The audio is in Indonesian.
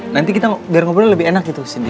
nanti kita bareng ngobrolnya lebih enak gitu sinti